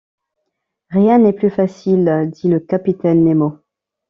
Rien n’est plus facile, » dit le capitaine Nemo.